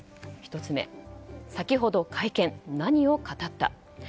１つ目先ほど会見、何を語った？